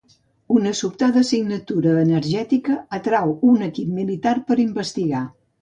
Una sobtada signatura energètica atrau un equip militar per investigar.